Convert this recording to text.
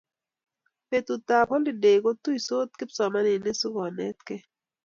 betutab oliday ko tuisot kipsomaninik sikonetkei